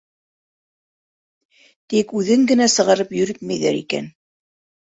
Тик үҙен генә сығарып йөрөтмәйҙәр икән.